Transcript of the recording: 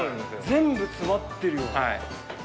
全部詰まってるよな。